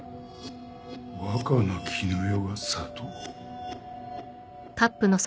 若菜絹代が砂糖？